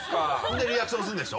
でリアクションするんでしょ？